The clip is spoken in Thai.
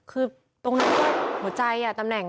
คือตรงนั้นก็หัวใจตำแหน่ง